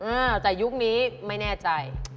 อ้าวแต่ยุคนี้ไม่แน่ใจ